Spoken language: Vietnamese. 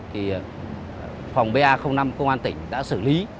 thì phòng ba năm công an tỉnh đã xử lý